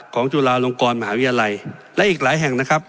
จุฬาลงกรมหาวิทยาลัยและอีกหลายแห่งนะครับ